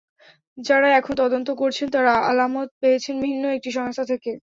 যাঁরা এখন তদন্ত করছেন, তাঁরা আলামত পেয়েছেন ভিন্ন একটি সংস্থা থেকে।